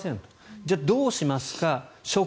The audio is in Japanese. じゃあ、どうしますか。